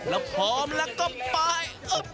แล้วพร้อมแล้วก็ไป